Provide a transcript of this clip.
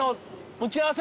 打ち合わせ。